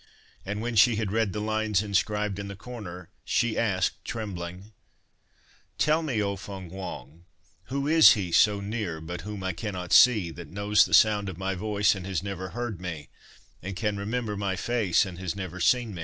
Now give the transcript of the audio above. And when she had read the lines inscribed in the corner, she asked, trembling : 'Tell me, O Feng Hwang, who is he, so near, but whom I cannot see, that knows the sound of my voice and has never heard me, and can remember my face and has never seen me